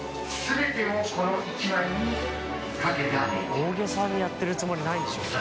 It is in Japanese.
大げさでやってるつもりないでしょうね。